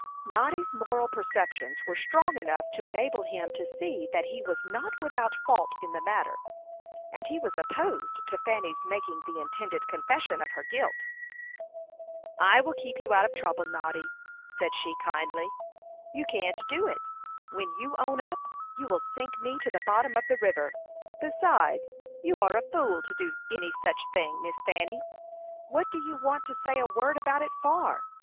Noddy's moral perceptions were strong enough to enable him to see that he was not without fault in the matter; and he was opposed to Fanny's making the intended confession of her guilt. "I will keep you out of trouble, Noddy," said she, kindly. "You can't do it; when you own up, you will sink me to the bottom of the river. Besides, you are a fool to do any such thing, Miss Fanny. What do you want to say a word about it for?